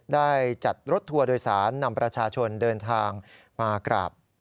ได้จัดรถทัวร์โดยสารนำประชาชนเดินทางมากราบ